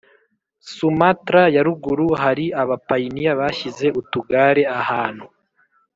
Sumatra ya Ruguru hari abapayiniya bashyize utugare ahantu